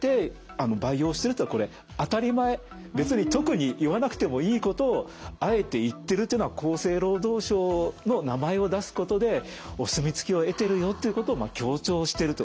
別に特に言わなくてもいいことをあえて言ってるというのは厚生労働省の名前を出すことでお墨付きを得てるよっていうことを強調してると。